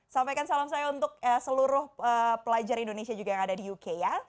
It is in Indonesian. sampaikan salam saya untuk seluruh pelajar indonesia juga yang ada di uk ya